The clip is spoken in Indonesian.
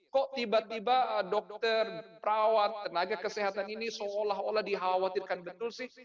kok tiba tiba dokter perawat tenaga kesehatan ini seolah olah dikhawatirkan betul sih